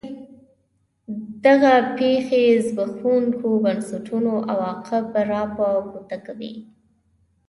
دغه پېښې زبېښونکو بنسټونو عواقب را په ګوته کوي.